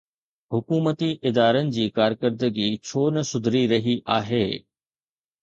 حڪومتي ادارن جي ڪارڪردگي ڇو نه سڌري رهي آهي؟